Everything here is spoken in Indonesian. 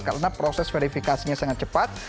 karena proses verifikasinya sangat cepat